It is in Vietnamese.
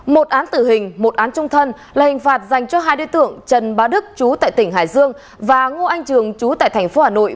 một án tử hình một án trung thân là hình phạt dành cho hai đối tượng trần bá đức chú tại tỉnh hải dương và ngô anh trường trú tại thành phố hà nội